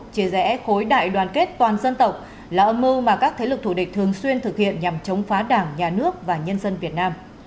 chia rẽ khối đại đoàn kết toàn dân tộc là âm mưu mà các thế lực thủ địch thường xuyên thực hiện nhằm chống phá đảng nhà nước và nhân dân việt nam